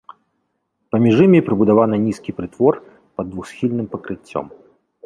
Паміж імі прыбудаваны нізкі прытвор пад двухсхільным пакрыццём.